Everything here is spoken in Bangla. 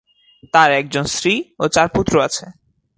তার একজন স্ত্রী ও চার পুত্র আছে।